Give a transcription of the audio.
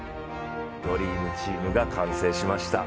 ドリームチームが完成しました。